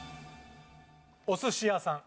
お寿司屋さん